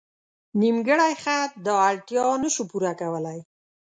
نیمګړی خط دا اړتیا نه شو پوره کولی.